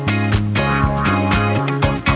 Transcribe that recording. terlihat yang nakai udara nya and so